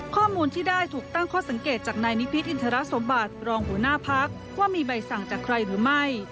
ข้อมูลที่ได้ถูกตั้งข้อสังเกตจากนายนิพิษอินทรสมบัติรองหัวหน้าพักว่ามีใบสั่งจากใครหรือไม่